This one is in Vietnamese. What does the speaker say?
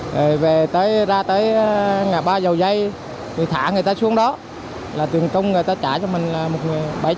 rồi về tới ra tới ngã ba dầu dây thì thả người ta xuống đó là tiền trung người ta trả cho mình là một bảy trăm linh